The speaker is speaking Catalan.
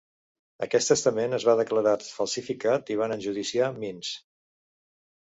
Aquest testament es va declarar falsificar i van enjudiciar Means.